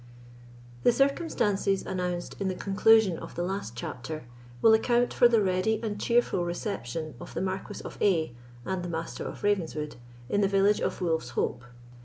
The circumstances announced in the conclusion of the last chapter will account for the ready and cheerful reception of the Marquis of A—— and the Master of Ravenswood in the village of Wolf's Hope.